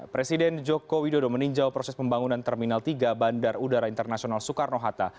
presiden joko widodo meninjau proses pembangunan terminal tiga bandar udara internasional soekarno hatta